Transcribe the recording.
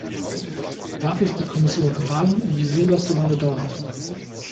Darf ich die Kommission fragen, wieso das so lange dauert?